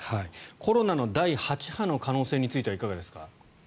コロナの第８波の可能性についてはいかがですか？